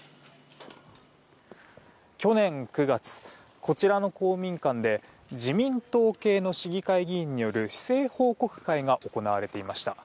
去年９月こちらの公民館で自民党系の市議会議員による市政報告会が行われていました。